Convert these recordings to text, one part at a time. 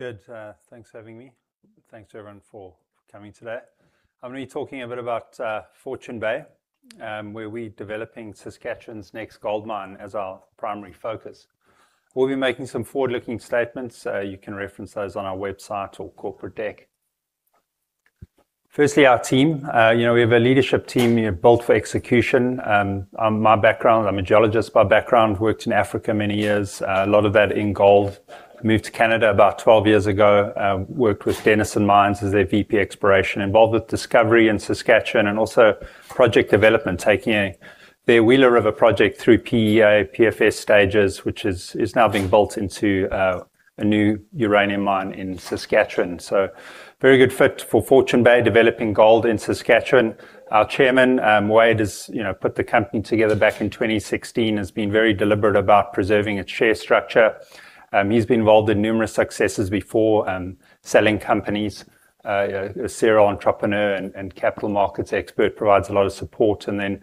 Good. Thanks for having me. Thanks, everyone, for coming today. I'm going to be talking a bit about Fortune Bay, where we're developing Saskatchewan's next gold mine as our primary focus. We'll be making some forward-looking statements. You can reference those on our website or corporate deck. Firstly, our team. We have a leadership team built for execution. My background, I'm a geologist by background, worked in Africa many years, a lot of that in gold. I moved to Canada about 12 years ago, worked with Denison Mines as their VP exploration, involved with discovery in Saskatchewan and also project development, taking their Wheeler River project through PEA, PFS stages, which is now being built into a new uranium mine in Saskatchewan. Very good fit for Fortune Bay, developing gold in Saskatchewan. Our chairman, Wade, has put the company together back in 2016, has been very deliberate about preserving its share structure. He's been involved in numerous successes before selling companies. A serial entrepreneur and capital markets expert, provides a lot of support and then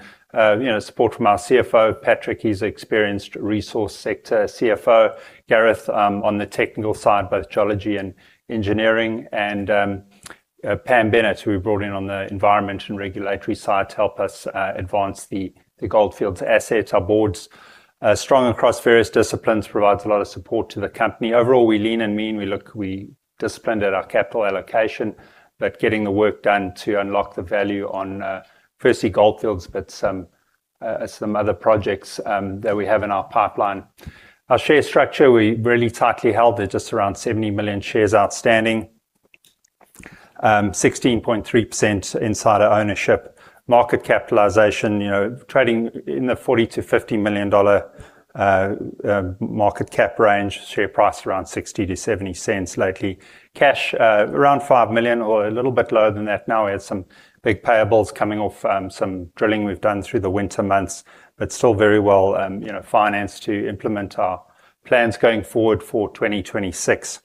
support from our CFO, Patrick. He's an experienced resource sector CFO. Gareth on the technical side, both geology and engineering. Pam Bennett, who we brought in on the environment and regulatory side to help us advance the Goldfields assets. Our board's strong across various disciplines, provides a lot of support to the company. Overall, we lean and mean. We discipline at our capital allocation, but getting the work done to unlock the value on firstly Goldfields, but some other projects that we have in our pipeline. Our share structure, we really tightly held at just around 70 million shares outstanding. 16.3% insider ownership. Market capitalization trading in the 40 million-50 million dollar market cap range. Share price around 0.60 to 0.70 lately. Cash around 5 million or a little bit lower than that now. We had some big payables coming off some drilling we've done through the winter months, but still very well-financed to implement our plans going forward for 2026.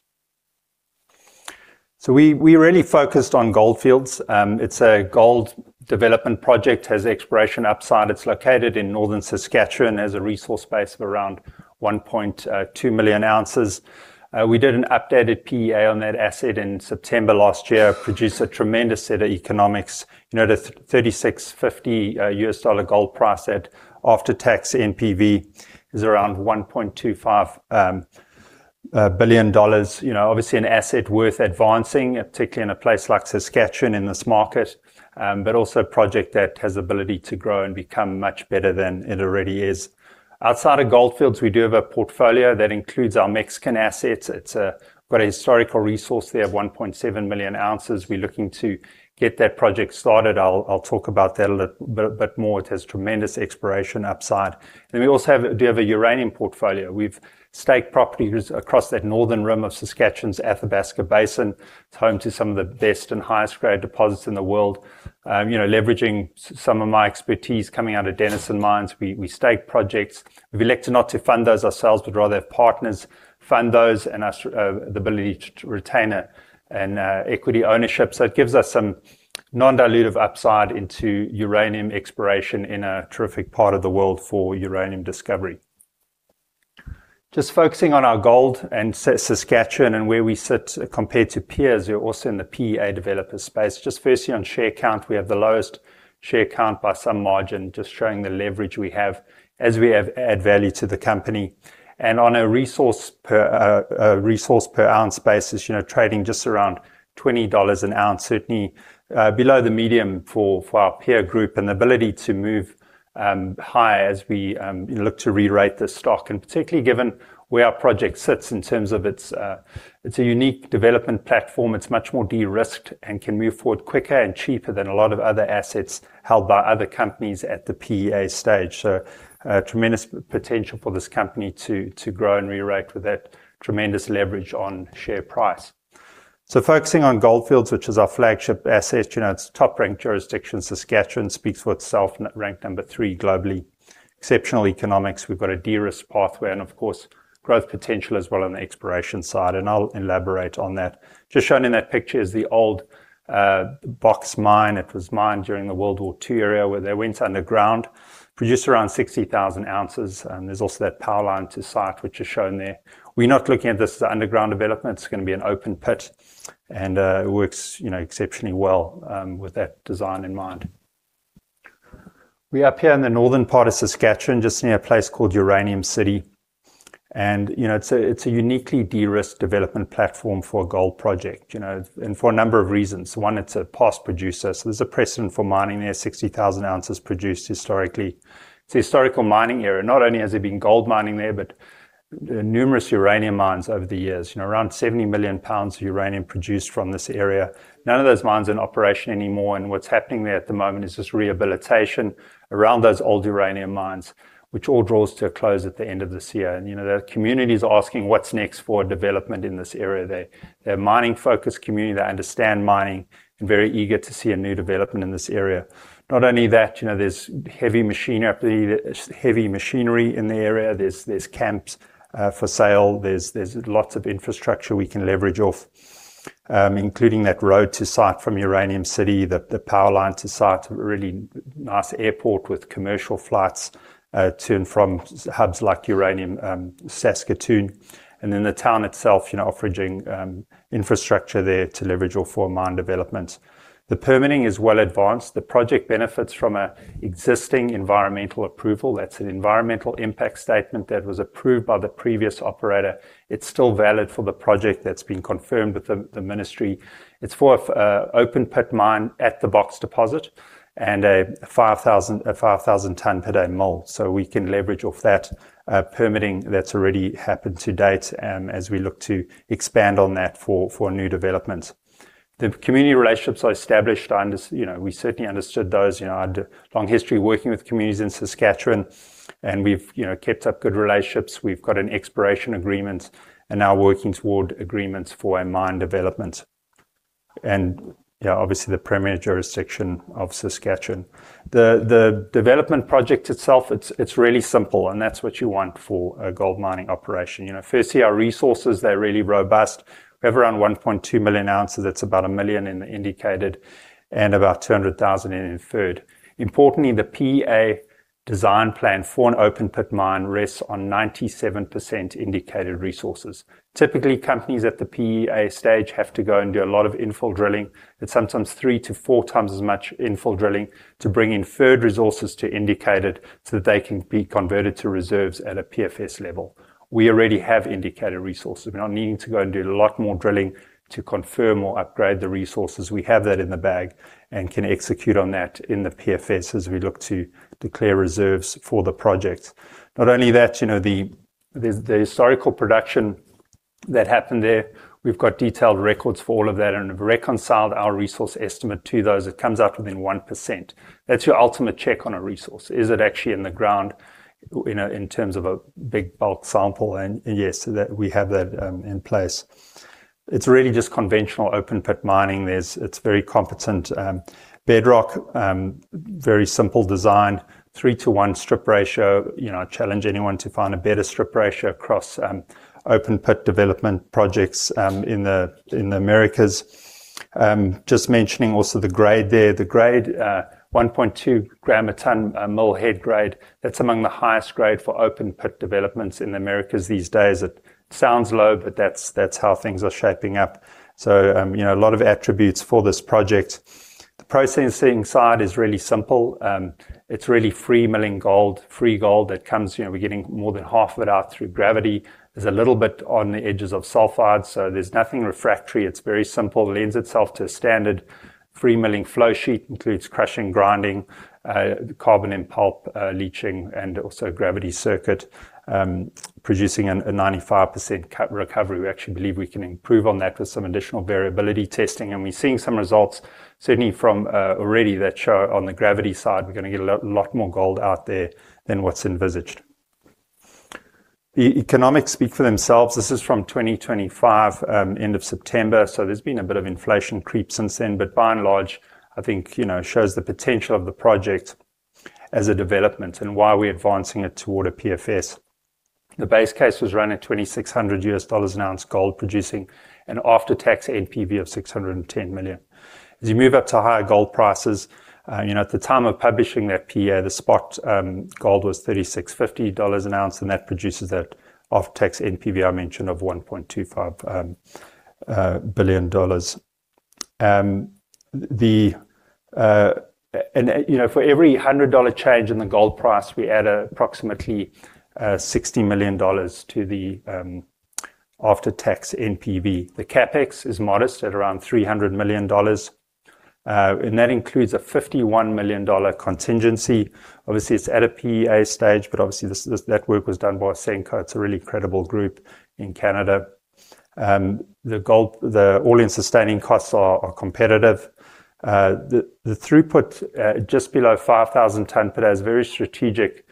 We really focused on Goldfields. It's a gold development project, has exploration upside. It's located in northern Saskatchewan, has a resource base of around 1.2 million ounces. We did an updated PEA on that asset in September last year, produced a tremendous set of economics. The 36, 50 U.S. Dollar gold price at after-tax NPV is around $1.25 billion. Obviously an asset worth advancing, particularly in a place like Saskatchewan in this market, but also a project that has ability to grow and become much better than it already is. Outside of Goldfields, we do have a portfolio that includes our Mexican assets. It's got a historical resource there of 1.7 million ounces. We're looking to get that project started. I'll talk about that a little bit more. It has tremendous exploration upside. We also have a bit of a uranium portfolio. We've staked properties across that northern rim of Saskatchewan's Athabasca Basin. It's home to some of the best and highest-grade deposits in the world. Leveraging some of my expertise coming out of Denison Mines, we stake projects. We've elected not to fund those ourselves, but rather have partners fund those and the ability to retain an equity ownership. It gives us some non-dilutive upside into uranium exploration in a terrific part of the world for uranium discovery. Focusing on our gold and Saskatchewan and where we sit compared to peers who are also in the PEA developer space. Firstly, on share count, we have the lowest share count by some margin, just showing the leverage we have as we add value to the company. On a resource per ounce basis, trading just around 20 dollars an ounce, certainly below the medium for our peer group and the ability to move higher as we look to rerate the stock. Particularly given where our project sits in terms of it's a unique development platform. It's much more de-risked and can move forward quicker and cheaper than a lot of other assets held by other companies at the PEA stage. Tremendous potential for this company to grow and rerate with that tremendous leverage on share price. Focusing on Goldfields, which is our flagship asset. It's a top-ranked jurisdiction. Saskatchewan speaks for itself, ranked number three globally. Exceptional economics. We've got a de-risk pathway and of course, growth potential as well on the exploration side, I'll elaborate on that. Shown in that picture is the old Box mine. It was mined during the World War II era where they went underground, produced around 60,000 ounces. There's also that power line to site, which is shown there. We're not looking at this as underground development. It's going to be an open pit, and it works exceptionally well with that design in mind. We're up here in the northern part of Saskatchewan, just near a place called Uranium City. It's a uniquely de-risked development platform for a gold project, and for a number of reasons. One, it's a past producer, so there's a precedent for mining there, 60,000 ounces produced historically. It's a historical mining area. Not only has there been gold mining there, but numerous uranium mines over the years. Around 70 million pounds of uranium produced from this area. None of those mines are in operation anymore, what's happening there at the moment is just rehabilitation around those old uranium mines, which all draws to a close at the end of this year. The community is asking what's next for development in this area. They're a mining-focused community. They understand mining and very eager to see a new development in this area. Not only that, there's heavy machinery in the area. There's camps for sale. There's lots of infrastructure we can leverage off including that road to site from Uranium City, the power line to site, a really nice airport with commercial flights to and from hubs like Uranium and Saskatoon. The town itself, offering infrastructure there to leverage all for mine development. The permitting is well advanced. The project benefits from an existing environmental approval. That's an environmental impact statement that was approved by the previous operator. It's still valid for the project that's been confirmed with the ministry. It's for an open pit mine at the Box deposit and a 5,000-ton per day mill. We can leverage off that permitting that's already happened to date as we look to expand on that for new developments. The community relationships are established. We certainly understood those. I had a long history working with communities in Saskatchewan, we've kept up good relationships. We've got an exploration agreement and now working toward agreements for a mine development. And obviously, the premier jurisdiction of Saskatchewan. The development project itself, it is really simple, and that is what you want for a gold mining operation. First, our resources, they are really robust. We have around 1.2 million ounces. That is about 1 million in the indicated and about 200,000 in inferred. Importantly, the PEA design plan for an open pit mine rests on 97% indicated resources. Typically, companies at the PEA stage have to go and do a lot of infill drilling. It is sometimes three to four times as much infill drilling to bring inferred resources to indicated so that they can be converted to reserves at a PFS level. We already have indicated resources. We are not needing to go and do a lot more drilling to confirm or upgrade the resources. We have that in the bag and can execute on that in the PFS as we look to declare reserves for the project. Not only that, the historical production that happened there, we have got detailed records for all of that and have reconciled our resource estimate to those. It comes out within 1%. That is your ultimate check on a resource. Is it actually in the ground in terms of a big bulk sample? Yes, we have that in place. It is really just conventional open pit mining. It is very competent bedrock, very simple design, three-to-one strip ratio. I challenge anyone to find a better strip ratio across open pit development projects in the Americas. Just mentioning also the grade there. The grade, 1.2 gram a ton mill head grade. That is among the highest grade for open pit developments in the Americas these days. It sounds low, but that is how things are shaping up. A lot of attributes for this project. The processing side is really simple. It is really free milling gold, free gold that comes. We are getting more than half of it out through gravity. There is a little bit on the edges of sulfides, so there is nothing refractory. It is very simple. Lends itself to a standard free milling flow sheet. Includes crushing, grinding, carbon in pulp leaching, and also gravity circuit producing a 95% recovery. We actually believe we can improve on that with some additional variability testing. We are seeing some results certainly from already that show on the gravity side, we are going to get a lot more gold out there than what is envisaged. The economics speak for themselves. This is from 2025, end of September. There has been a bit of inflation creep since then, but by and large, I think shows the potential of the project as a development and why we are advancing it toward a PFS. The base case was run at CAD 2,600 an ounce gold producing an after-tax NPV of 610 million. As you move up to higher gold prices, at the time of publishing that PEA, the spot gold was 3,650 dollars an ounce, and that produces that after-tax NPV I mentioned of $1.25 billion. For every 100 dollar change in the gold price, we add approximately 60 million dollars to the after-tax NPV. The CapEx is modest at around 300 million dollars. That includes a 51 million dollar contingency. Obviously, it is at a PEA stage, but obviously that work was done by Ausenco. It is a really credible group in Canada. The all-in sustaining costs are competitive. The throughput at just below 5,000 tons per day is a very strategic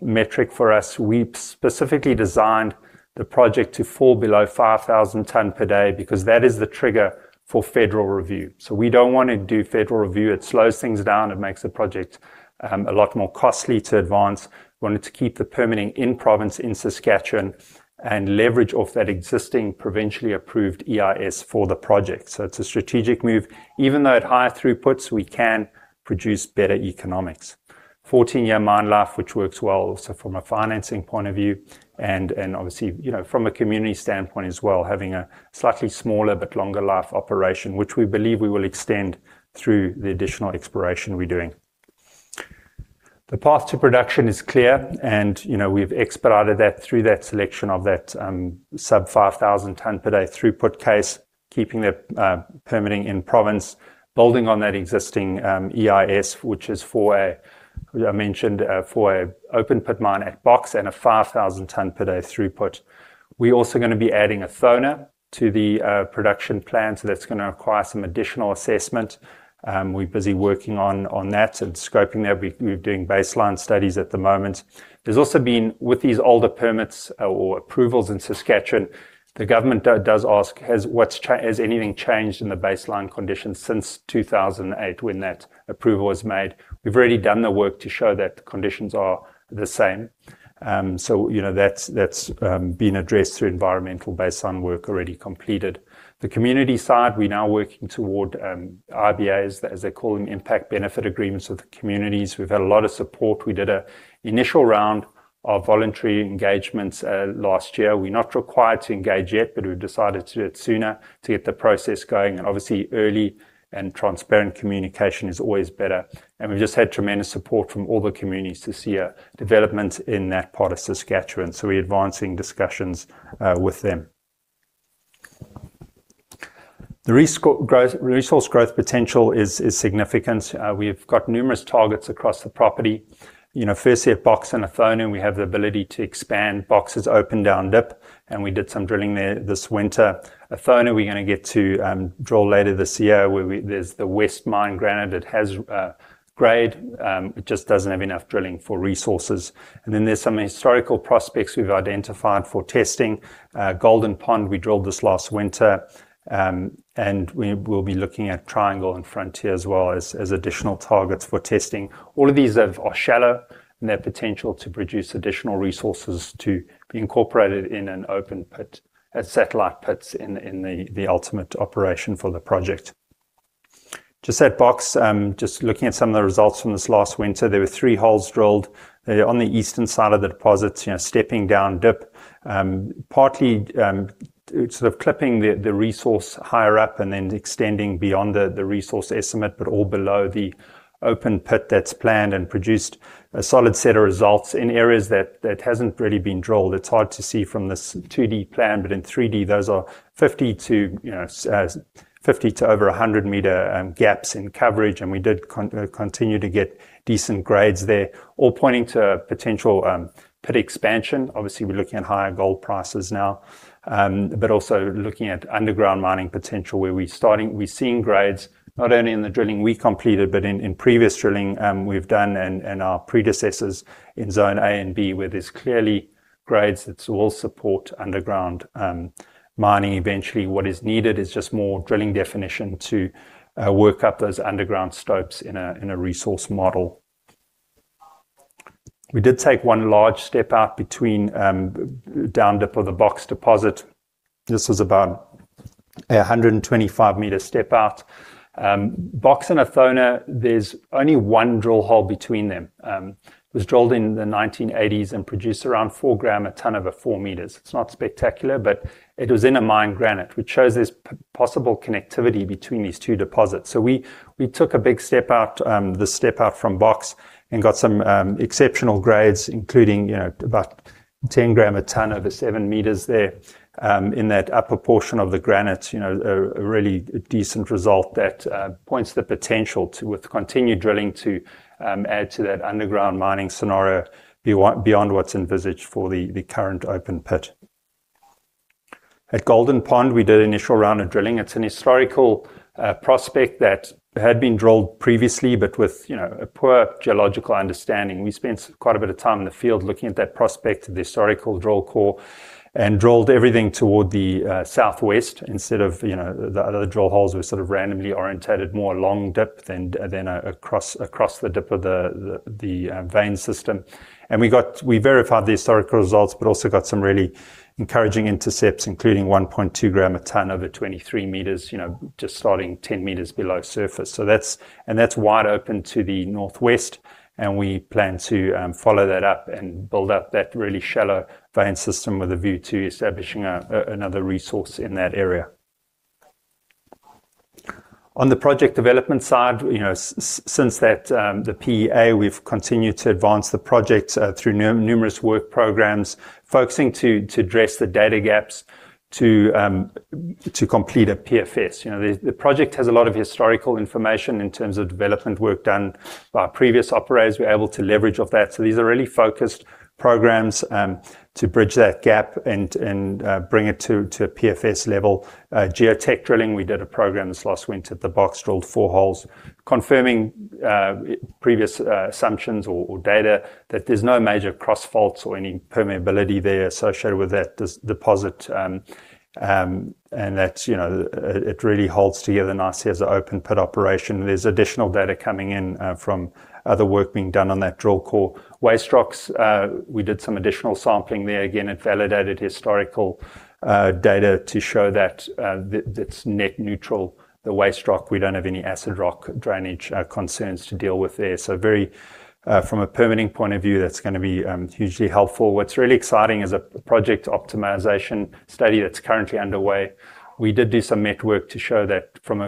metric for us. We specifically designed the project to fall below 5,000 tons per day because that is the trigger for federal review. So we don't want to do federal review. It slows things down. It makes the project a lot more costly to advance. We wanted to keep the permitting in province in Saskatchewan and leverage off that existing provincially approved EIS for the project. It's a strategic move. Even though at higher throughputs, we can produce better economics. 14-year mine life, which works well also from a financing point of view and obviously from a community standpoint as well, having a slightly smaller but longer life operation, which we believe we will extend through the additional exploration we're doing. The path to production is clear, and we've expedited that through that selection of that sub 5,000 ton per day throughput case, keeping the permitting in province, building on that existing EIS, which is for a, I mentioned, for an open pit mine at Box and a 5,000-ton per day throughput. We're also going to be adding Athona to the production plan, that's going to require some additional assessment. We're busy working on that and scoping that. We're doing baseline studies at the moment. There's also been with these older permits or approvals in Saskatchewan, the government does ask, "Has anything changed in the baseline conditions since 2008 when that approval was made?" We've already done the work to show that the conditions are the same. So that's been addressed through environmental baseline work already completed. The community side, we're now working toward IBAs, as they call them, impact benefit agreements with the communities. We've had a lot of support. We did an initial round Our voluntary engagements last year. We're not required to engage yet, but we've decided to do it sooner to get the process going. Obviously, early and transparent communication is always better. We've just had tremendous support from all the communities to see a development in that part of Saskatchewan, we're advancing discussions with them. The resource growth potential is significant. We've got numerous targets across the property. Firstly, at Box and Athona, we have the ability to expand. Box is open down dip, and we did some drilling there this winter. Athona, we're going to get to drill later this year. There's the West Mine granite that has grade. It just doesn't have enough drilling for resources. Then there's some historical prospects we've identified for testing. Golden Pond, we drilled this last winter. And we will be looking at Triangle and Frontier as well as additional targets for testing. All of these are shallow in their potential to produce additional resources to be incorporated in an open pit at satellite pits in the ultimate operation for the project. Just at Box, just looking at some of the results from this last winter. There were three holes drilled on the eastern side of the deposit, stepping down dip, partly sort of clipping the resource higher up and then extending beyond the resource estimate, but all below the open pit that's planned and produced a solid set of results in areas that hasn't really been drilled. It's hard to see from this 2D plan, but in 3D, those are 50 to over 100-meter gaps in coverage, and we did continue to get decent grades there, all pointing to potential pit expansion. Obviously, we're looking at higher gold prices now. Also looking at underground mining potential where we're seeing grades not only in the drilling we completed, but in previous drilling we've done and our predecessors in zone A and B, where there's clearly grades that will support underground mining eventually. What is needed is just more drilling definition to work up those underground stopes in a resource model. We did take one large step-out between down dip of the Box deposit. This was about a 125-meter step-out. Box and Athona, there's only one drill hole between them. It was drilled in the 1980s and produced around 4 gram a tonne over 4 meters. It's not spectacular, but it was in a mined granite, which shows there's possible connectivity between these two deposits. We took a big step-out, the step-out from Box, and got some exceptional grades, including about 10 gram a tonne over 7 meters there in that upper portion of the granite. A really decent result that points the potential to, with continued drilling, to add to that underground mining scenario beyond what's envisaged for the current open pit. At Golden Pond, we did an initial round of drilling. It's an historical prospect that had been drilled previously, but with a poor geological understanding. We spent quite a bit of time in the field looking at that prospect, the historical drill core, and drilled everything toward the southwest instead of the other drill holes were sort of randomly orientated more long dip than across the dip of the vein system. We verified the historical results, but also got some really encouraging intercepts, including 1.2 gram a tonne over 23 meters, just starting 10 meters below surface. That's wide open to the northwest, and we plan to follow that up and build up that really shallow vein system with a view to establishing another resource in that area. On the project development side, since the PEA, we've continued to advance the project through numerous work programs, focusing to address the data gaps to complete a PFS. The project has a lot of historical information in terms of development work done by previous operators. We're able to leverage off that. These are really focused programs to bridge that gap and bring it to a PFS level. Geotech drilling, we did a program this last winter at the Box, drilled four holes, confirming previous assumptions or data that there's no major cross faults or any permeability there associated with that deposit. It really holds together nicely as an open pit operation. There's additional data coming in from other work being done on that drill core. Waste rocks, we did some additional sampling there. Again, it validated historical data to show that it's net neutral, the waste rock. We don't have any acid rock drainage concerns to deal with there. From a permitting point of view, that's going to be hugely helpful. What's really exciting is a project optimization study that's currently underway. We did do some met work to show that from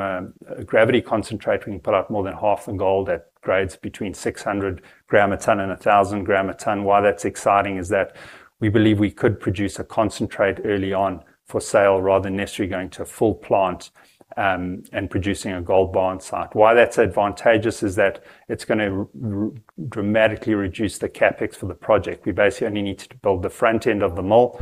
a gravity concentrate, we can pull out more than half the gold at grades between 600 gram a tonne and 1,000 gram a tonne. Why that's exciting is that we believe we could produce a concentrate early on for sale rather than necessarily going to a full plant and producing a gold bar on site. Why that's advantageous is that it's going to dramatically reduce the CapEx for the project. We basically only need to build the front end of the mill,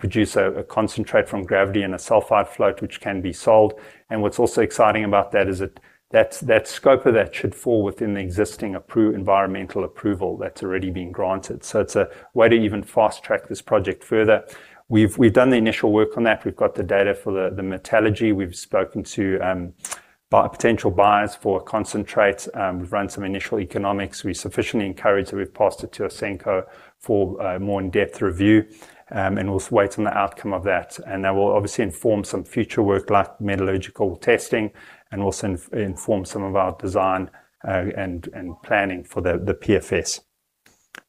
produce a concentrate from gravity and a sulfide float, which can be sold. What's also exciting about that is that the scope of that should fall within the existing environmental approval that's already been granted. It's a way to even fast-track this project further. We've done the initial work on that. We've got the data for the metallurgy. We've spoken to potential buyers for concentrate. We've run some initial economics. We're sufficiently encouraged that we've passed it to Ausenco for a more in-depth review, and we'll wait on the outcome of that. That will obviously inform some future work like metallurgical testing and also inform some of our design and planning for the PFS.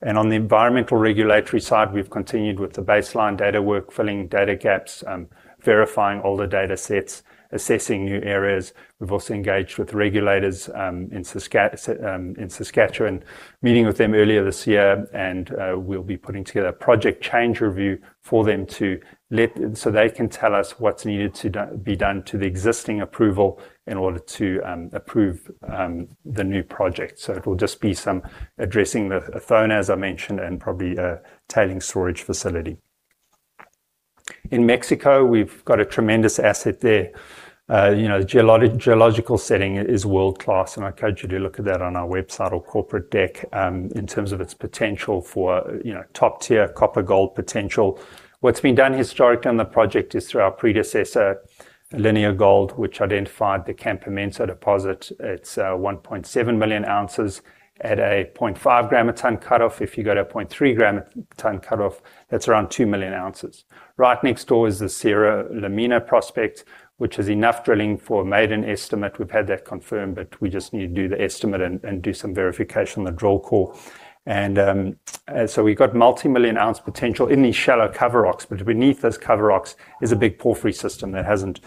On the environmental regulatory side, we've continued with the baseline data work, filling data gaps, verifying older data sets, assessing new areas. We've also engaged with regulators in Saskatchewan, meeting with them earlier this year, and we'll be putting together a project change review for them so they can tell us what's needed to be done to the existing approval in order to approve the new project. It will just be some addressing the form, as I mentioned, and probably a tailings storage facility. In Mexico, we've got a tremendous asset there. The geological setting is world-class, and I encourage you to look at that on our website or corporate deck in terms of its potential for top-tier copper-gold potential. What's been done historically on the project is through our predecessor, Linear Gold, which identified the Campamento deposit. It's 1.7 million ounces at a 0.5 gram a ton cutoff. If you go to a 0.3 gram a ton cutoff, that's around 2 million ounces. Right next door is the Cerro La Mina prospect, which has enough drilling for a maiden estimate. We've had that confirmed, but we just need to do the estimate and do some verification on the drill core. And we've got multimillion-ounce potential in these shallow cover rocks, but beneath those cover rocks is a big porphyry system that hasn't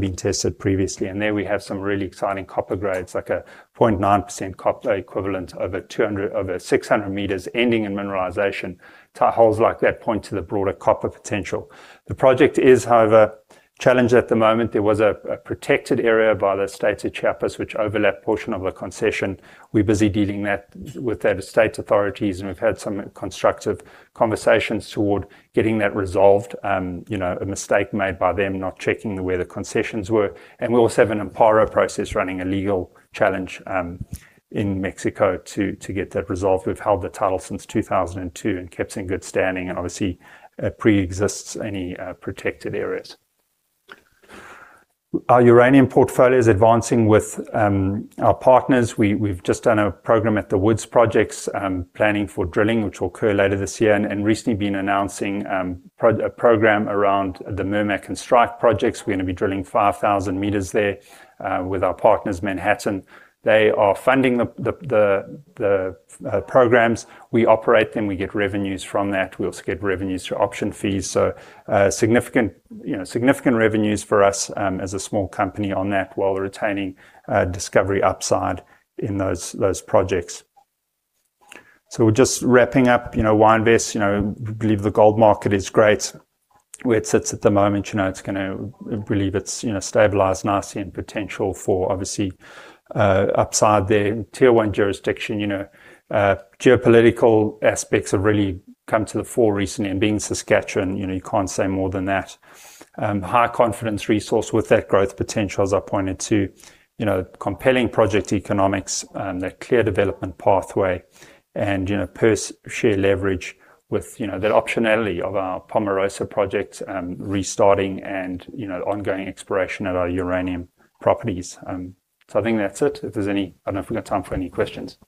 been tested previously. There we have some really exciting copper grades, like a 0.9% copper equivalent over 600 meters ending in mineralization. Tight holes like that point to the broader copper potential. The project is, however, challenged at the moment. There was a protected area by the State of Chiapas, which overlapped portion of the concession. We're busy dealing with that state authorities, and we've had some constructive conversations toward getting that resolved. A mistake made by them not checking where the concessions were. We also have an amparo process running a legal challenge in Mexico to get that resolved. We've held the title since 2002 and kept in good standing and obviously it preexists any protected areas. Our uranium portfolio is advancing with our partners. We've just done a program at the Woods projects, planning for drilling, which will occur later this year, and recently been announcing a program around the Murmac and Strike projects. We're going to be drilling 5,000 meters there with our partners, Manhattan. They are funding the programs. We operate them, we get revenues from that. We also get revenues through option fees. Significant revenues for us as a small company on that while retaining discovery upside in those projects. We're just wrapping up why invest? We believe the gold market is great where it sits at the moment. Believe it's stabilized nicely and potential for obviously upside there. Tier one jurisdiction. Geopolitical aspects have really come to the fore recently and being Saskatchewan, you can't say more than that. High confidence resource with that growth potential, as I pointed to. Compelling project economics, the clear development pathway and per share leverage with the optionality of our Poma Rosa project restarting and ongoing exploration at our uranium properties. I think that's it. If there's any, I don't know if we've got time for any questions.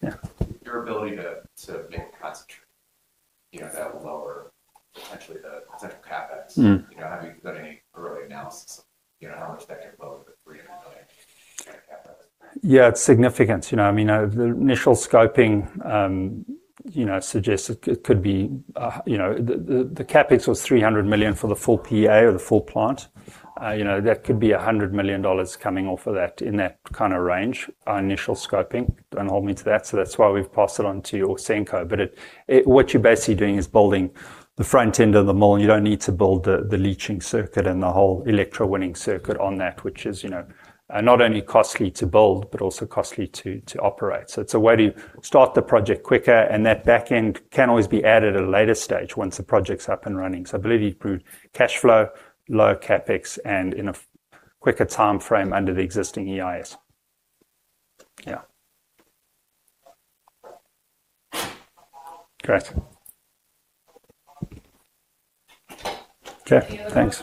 Yeah. Your ability to make concentrate, that will lower potentially the central CapEx. Have you done any early analysis of how much that could lower the CAD 300 million CapEx? Yeah, it's significant. I mean, the CapEx was 300 million for the full PEA or the full plant. That could be 100 million dollars coming off of that in that kind of range. Our initial scoping don't hold me to that. That's why we've passed it on to Ausenco. What you're basically doing is building the front end of the mill, and you don't need to build the leaching circuit and the whole electrowinning circuit on that, which is, not only costly to build, but also costly to operate. It's a way to start the project quicker, and that back end can always be added at a later stage once the project's up and running. I believe improved cash flow, lower CapEx, and in a quicker timeframe under the existing EIS. Yeah. Great. Okay. Thanks.